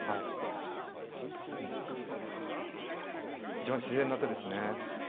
一番自然な手ですね。